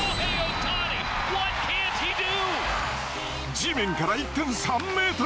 地面から１．３ｍ。